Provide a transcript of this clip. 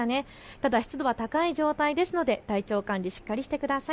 ただ湿度は高い状態ですので体調管理しっかりしてください。